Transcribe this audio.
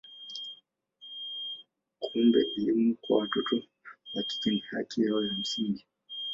Kumbe elimu kwa watoto wa kike ni haki yao ya msingi.